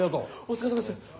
お疲れさまです。